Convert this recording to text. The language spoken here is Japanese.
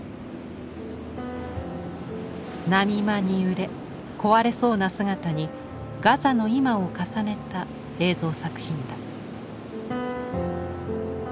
波間に揺れ壊れそうな姿にガザの今を重ねた映像作品だ。